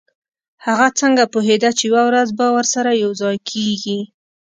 هغه څنګه پوهیده چې یوه ورځ به ورسره یوځای کیږي